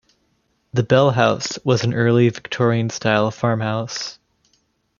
The Bell House was an early Victorian style farm house.